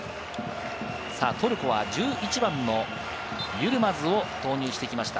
トルコは１１番のユルマズを投入してきました。